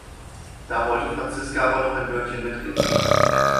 Da wollte Franziska aber noch ein Wörtchen mitreden.